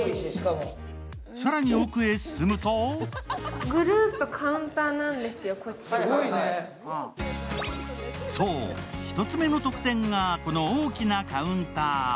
更に奥へ進むとそう、１つ目の得点が、この大きなカウンター。